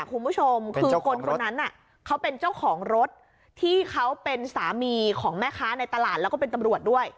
คุณผู้ชมคือคนคนนั้นน่ะเขาเป็นเจ้าของรถที่เขาเป็นสามีของแม่ค้าในตลาดแล้วก็เป็นตำรวจด้วย